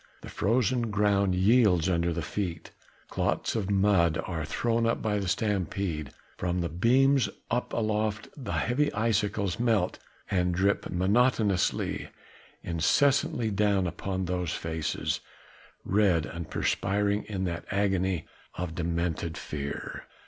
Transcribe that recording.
The frozen ground yields under the feet, clots of mud are thrown up by the stampede, from the beams up aloft the heavy icicles melt and drip monotonously, incessantly down upon those faces, red and perspiring in an agony of demented fear.